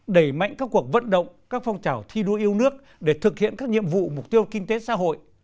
đẩy mạnh các cuộc vận động các phong trào thi đua yêu nước để thực hiện các nhiệm vụ mục tiêu kinh tế xã hội